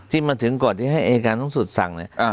ที่มาถึงก่อนที่ให้อายการสูงสุดสั่งเนี่ย